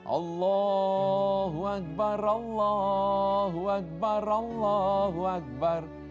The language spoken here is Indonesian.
allahu akbar allahu akbar allahu akbar